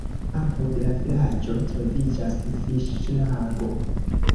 Apud la vilaĝo troviĝas fiŝlago.